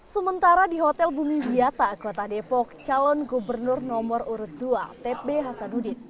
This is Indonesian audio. sementara di hotel bumi biata kota depok calon gubernur nomor urut dua t b hassanudin